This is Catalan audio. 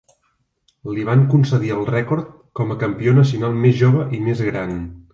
Li van concedir el rècord com a campió nacional més jove i més gran.